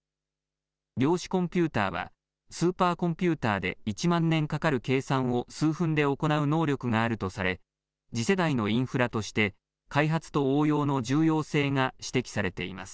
量子コンピューターは、スーパーコンピューターで、１万年かかる計算を数分で行う能力があるとされ、次世代のインフラとして、開発と応用の重要性が指摘されています。